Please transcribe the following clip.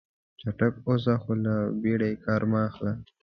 چټک اوسه خو له بیړې کار مه اخله.